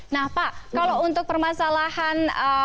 nah pak kalau untuk permasalahan